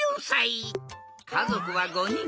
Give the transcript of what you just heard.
かぞくは５にん。